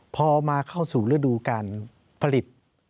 พอมาเข้าสู่ฤดูการผลิต